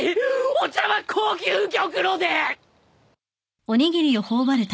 お茶は高級玉露で！